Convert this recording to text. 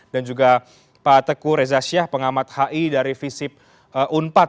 dan juga pak teku reza syah pengamat hi dari visip unpat